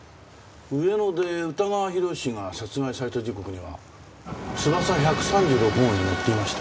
上野で宇田川宏が殺害された時刻にはつばさ１３６号に乗っていました。